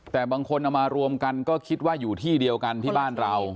แต่บางคนเอามารวมกันก็คิดว่าอยู่ที่เดียวกันที่บ้านเรา